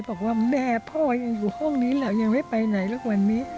บอกว่าแม่พ่อยังอยู่ห้องนี้แหละยังไม่ไปไหนหรอกวันนี้